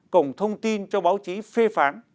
cộng thông tin cho báo chí phê phạm